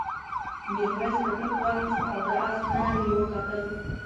میرويس څټک واخیست او د آس نال یې وکتل.